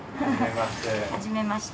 ・はじめまして。